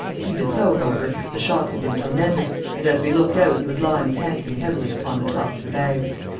Even so, however, the shock had been tremendous, and as we looked out he was lying panting heavily upon the top of the bags.